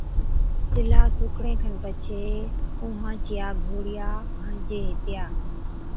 سِلها سُوڪڻي کن پڇي اُونهان چِيا گھوڙِيا هڻجي هِتِيا،